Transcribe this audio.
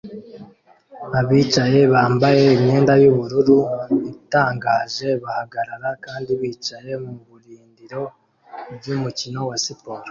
Abishimye bambaye imyenda yubururu itangaje bahagarara kandi bicaye mubirindiro byumukino wa siporo